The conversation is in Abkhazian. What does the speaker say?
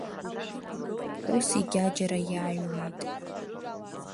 Ус егьаџьара иааҩуеит!